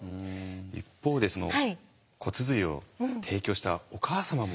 一方でその骨髄を提供したお母様も。